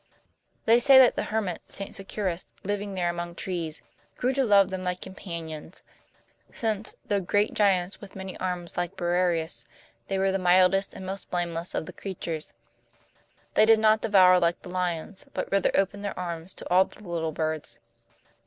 They say that the hermit St. Securis, living there among trees, grew to love them like companions; since, though great giants with many arms like Briareus, they were the mildest and most blameless of the creatures; they did not devour like the lions, but rather opened their arms to all the little birds.